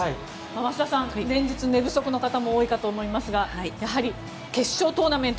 増田さん、連日寝不足の方も多いと思いますがやはり決勝トーナメント